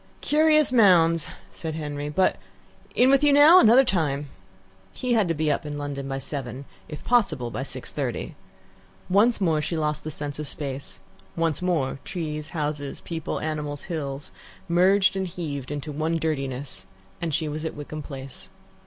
"Curious mounds," said, Henry, "but in with you now; another time." He had to be up in London by seven if possible, by six thirty. Once more she lost the sense of space; once more trees, houses, people, animals, hills, merged and heaved into one dirtiness, and she was at Wickham Place.